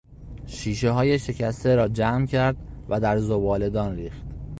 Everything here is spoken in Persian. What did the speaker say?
شیشههای شکسته را جمع کرد و در زباله دان ریخت.